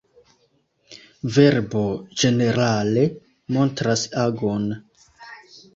Verbo ĝenerale montras agon.